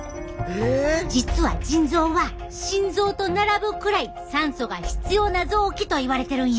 実は腎臓は心臓と並ぶくらい酸素が必要な臓器といわれてるんや。